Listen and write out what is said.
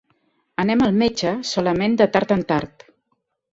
Anem al metge solament de tard en tard.